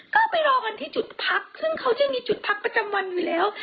ก็ไปรอกันที่จุดพักซึ่งเขาจะมีจุดพักประจำวันอยู่แล้ว